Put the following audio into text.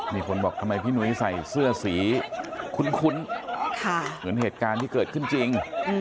มีคนบอกทำไมพี่หนุ้ยใส่เสื้อสีคุ้นเหมือนเหตุการณ์ที่เกิดขึ้นจริง